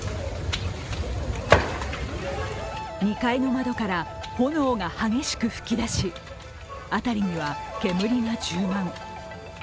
２階の窓から炎が激しく噴き出し辺りには煙が充満。